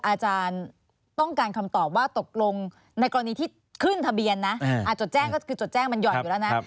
อาจารย์ต้องการคำตอบว่าตกลงในกรณีที่ขึ้นทะเบียนนะจดแจ้งก็คือจดแจ้งมันหย่อนอยู่แล้วนะ